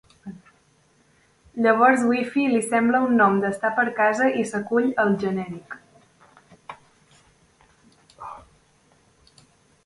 Llavors Wifi li sembla un nom d'estar per casa i s'acull al genèric.